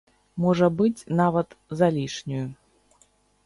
Можа быць, нават залішнюю.